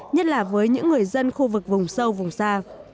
nhất là với những người dân khu vực vùng sâu vùng xa